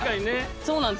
そうなんですよね。